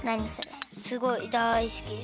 すごいだいすき。